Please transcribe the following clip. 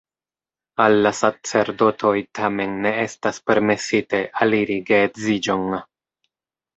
Al la sacerdotoj, tamen, ne estas permesite aliri geedziĝon.